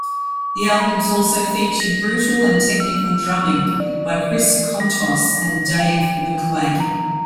The albums also featured brutal and technical drumming by Chris Kontos and Dave McClain.